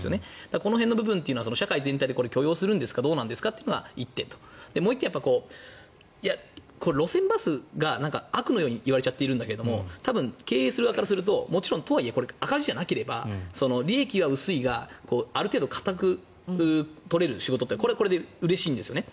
この辺の部分は社会全体で許容するのかどうかが１点ともう１点は路線バスが悪のように言われちゃってるんだけど多分、経営する側から言うと赤字じゃなければ利益は薄いがある程度堅く取れる仕事ってこれはこれでうれしいんですね。